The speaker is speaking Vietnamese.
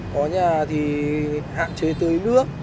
có nhà thì hạn chế tươi